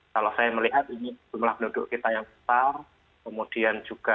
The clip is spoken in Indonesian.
kalau saya melihat ini jumlah penduduk kita yang besar kemudian juga